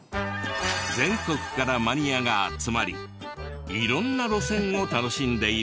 全国からマニアが集まり色んな路線を楽しんでいるのだとか。